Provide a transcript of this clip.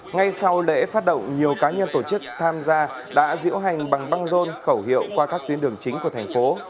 ngay sau lễ phát động nhiều cá nhân tổ chức tham gia đã diễu hành bằng băng rôn khẩu hiệu qua các tuyến đường chính của thành phố